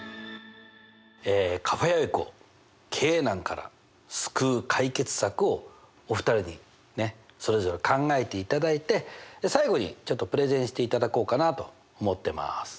カフェ・アイクを経営難から救う解決策をお二人にそれぞれ考えていただいて最後にちょっとプレゼンしていただこうかなと思ってます。